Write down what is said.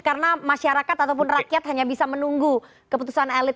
karena masyarakat ataupun rakyat hanya bisa menunggu keputusan elit